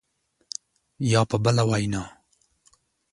یا په بله وینا